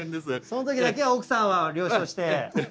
その時だけは奥さんは了承して。